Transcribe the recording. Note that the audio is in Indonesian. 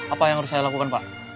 apa yang harus saya lakukan pak